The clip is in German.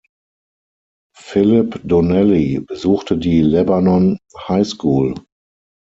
Philip Donnelly besuchte die Lebanon High School.